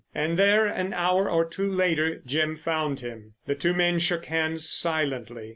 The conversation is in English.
And there an hour or two later Jim found him. The two men shook hands silently.